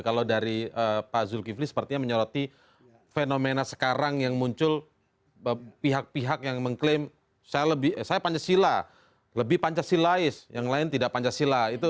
kalau dari pak zulkifli sepertinya menyoroti fenomena sekarang yang muncul pihak pihak yang mengklaim saya pancasila lebih pancasilais yang lain tidak pancasila